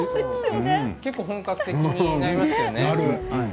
結構本格的になりますよね。